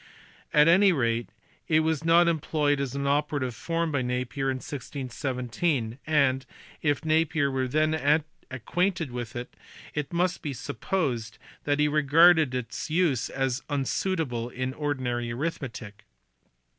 At any rate it was not employed as an operative form by Napier in 1617, and, if Napier were then acquainted with it, it must be supposed that he regarded its use as unsuitable in ordinary arithmetic*.